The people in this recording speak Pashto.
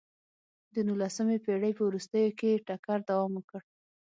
د نولسمې پېړۍ په وروستیو کې ټکر دوام وکړ.